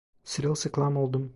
Sırılsıklam oldum.